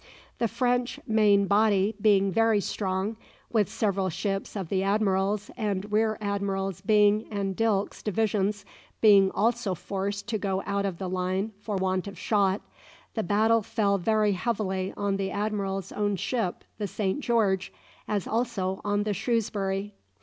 The French main body being very strong, and several ships of the admiral's and Rear Admirals Byng and Dilke's divisions being also forced to go out of the line for want of shot, the battle fell very heavily on the admiral's own ship the "Saint George," as also on the "Shrewsbury."